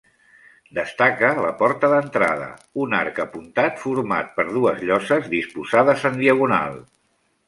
Destaca la porta d'entrada, un arc apuntat format per dues lloses disposades en diagonal.